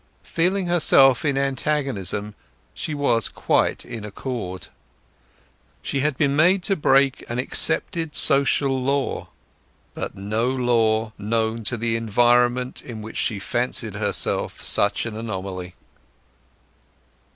Feeling herself in antagonism, she was quite in accord. She had been made to break an accepted social law, but no law known to the environment in which she fancied herself such an anomaly.